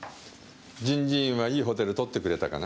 人事院はいいホテルとってくれたかな？